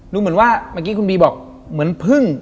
ดูเหมือนว่าเมื่อกี้คุณบีบอกเหมือนพึ่ง